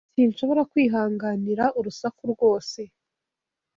Sinshobora kwihanganira urusaku rwose.